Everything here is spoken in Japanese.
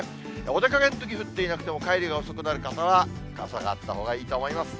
お出かけのとき降っていなくても、帰りが遅くなる方は、傘があったほうがいいと思います。